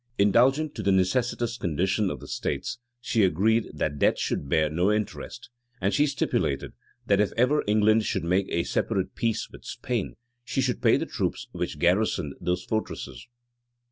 Indulgent to the necessitous condition of the states, she agreed that the debt should bear no interest; and she stipulated, that if ever England should make a separate peace with Spain, she should pay the troops which garrisoned those fortresses.